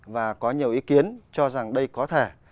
và có nhiều ý kiến cho rằng đây có thể